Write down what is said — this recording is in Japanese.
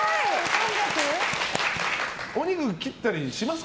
お肉、切ったりしますか？